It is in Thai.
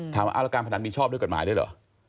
ถามว่าแล้วการพนันมีชอบด้วยกฎหมายด้วยเหรอ